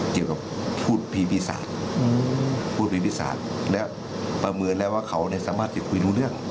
เกี่ยวกับพูดพีพีศาสตร์อืมพูดพีพีศาสตร์แล้วประเมินแล้วว่าเขาเนี้ยสามารถที่คุยดูเรื่อง